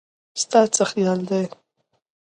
ستا څه خيال دی